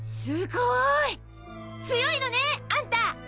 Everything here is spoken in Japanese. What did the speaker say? すごい！強いのねあんた